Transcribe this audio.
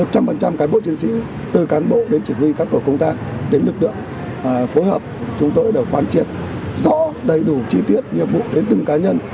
một trăm linh cán bộ chiến sĩ từ cán bộ đến chỉ huy các tổ công tác đến lực lượng phối hợp chúng tôi đều quan triệt rõ đầy đủ chi tiết nhiệm vụ đến từng cá nhân